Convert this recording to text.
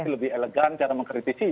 lebih elegan cara mengkritisi